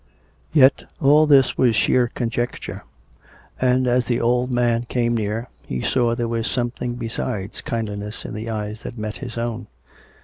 Yet all this was sheer conjecture; and, as the old man came near, he saw there was something besides kindliness in the eyes that met his own.